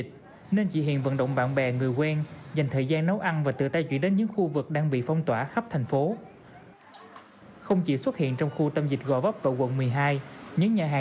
thì nếu mà thắng nữa mà nếu mà vẫn như vậy thì vẫn hỗ trợ nữa